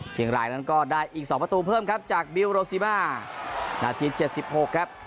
เชียงรายนั้นก็ได้อีก๒ประตูเพิ่มครับจากบิลโรซิมานาที๗๖ครับ